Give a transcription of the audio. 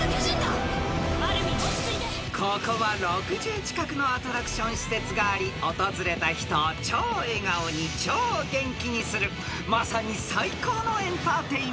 ［ここは６０近くのアトラクション施設があり訪れた人を超笑顔に超元気にするまさに］